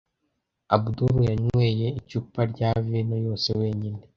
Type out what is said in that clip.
Abudul yanyweye icupa rya vino yose wenyine.